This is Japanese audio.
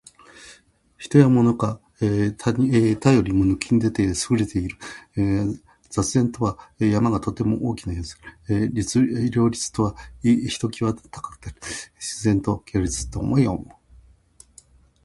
人や物などが、他よりも抜きん出て優れているさま。「巍然」は山がとても大きく高い様子。「屹立」は一際高く立っていること。「巍然として屹立す」とも読む。